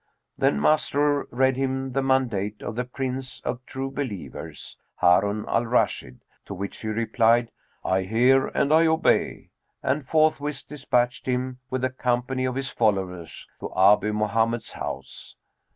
Then Masrur read him the mandate of the Prince of True Believers, Harun al Rashid, to which he replied, "I hear and I obey," and forthwith despatched him, with a company of his followers, to Abu Mohammed's house.